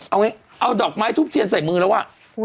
เอาไว้เอาดอกไม้ถูกเทียนใส่มือแล้วอ่ะ